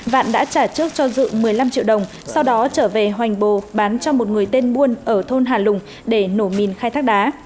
vạn đã trả trước cho dự một mươi năm triệu đồng sau đó trở về hoành bồ bán cho một người tên buôn ở thôn hà lùng để nổ mìn khai thác đá